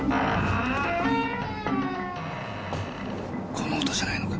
この音じゃないのか？